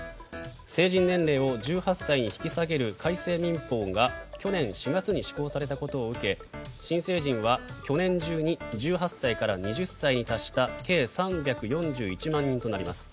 成人年齢を１８歳に引き下げる改正民法が去年４月に施行されたことを受け新成人は去年中に１８歳から２０歳に達した計３４１万人となります。